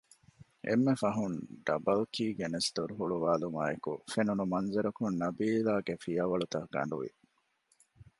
އެންމެފަހުން ޑަބަލްކީ ގެނެސް ދޮރުހުޅުވުމާއެކު ފެނުނު މަންޒަރަކުން ނަބީލާގެ ފިޔަވަޅުތަށް ގަނޑުވި